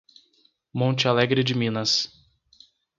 Monte Alegre de Minas